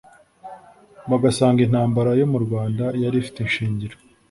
bagasanga intambara yo mu rwanda yari ifite ishingiro